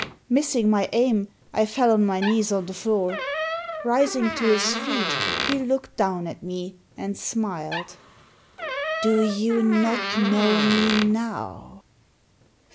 Missing my aim, I fell on my knees on the floor. Rising to his feet he looked down at me, and smiled. " Do you not know me now